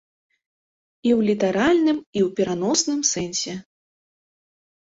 І ў літаральным, і ў пераносным сэнсе.